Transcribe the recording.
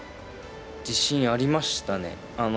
自信ありましたね。